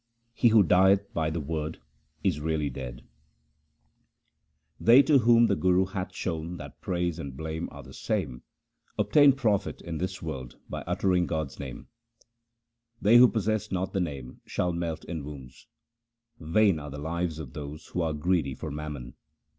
He who dieth by the Word is really dead. 1 The Sikh religion. HYMNS OF GURU AMAR DAS 191 They, to whom the Guru hath shown that praise and blame are the same, obtain profit in this world by uttering God's name. They who possess not the Name shall melt in wombs. Vain are the lives of those who are greedy for mammon.